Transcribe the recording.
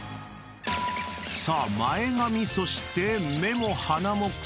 ［さあ前髪そして目も鼻も］